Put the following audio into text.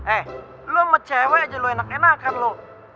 eh lo mau cewek aja lo enak enakan lo